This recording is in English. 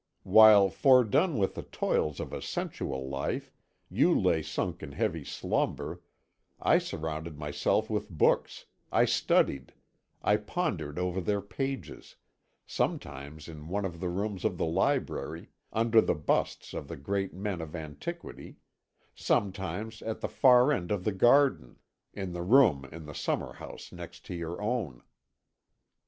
While, fordone with the toils of a sensual life, you lay sunk in heavy slumber, I surrounded myself with books, I studied, I pondered over their pages, sometimes in one of the rooms of the library, under the busts of the great men of antiquity, sometimes at the far end of the garden, in the room in the summer house next to your own."